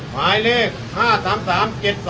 หมายเลข๕๓๓๗๒